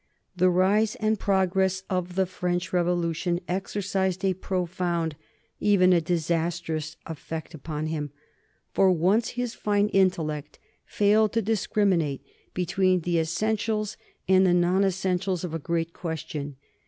The rise and progress of the French evolution exercised a profound, even a disastrous, effect upon him. For once his fine intellect failed to discriminate between the essentials and the non essentials of a great question.